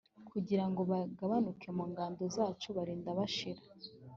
kugira ngo bagabanuke mu ngando zacu, barinda bashira.